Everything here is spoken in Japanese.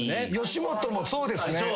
吉本もそうですね。